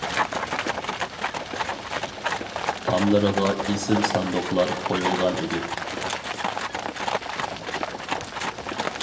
تاملىرىغا ئېسىل ساندۇقلار قويۇلغان ئىدى.